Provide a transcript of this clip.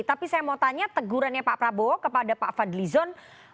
tapi saya mau tanya tegurannya pak prabowo kepada pak fadlizon